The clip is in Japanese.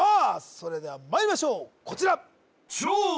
それではまいりましょうこちら